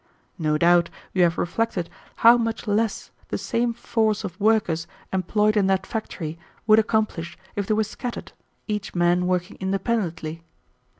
No doubt you have reflected how much less the same force of workers employed in that factory would accomplish if they were scattered, each man working independently.